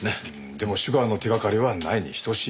でもシュガーの手がかりはないに等しい。